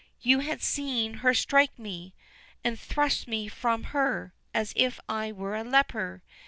You had seen her strike me, and thrust me from her as if I were a leper.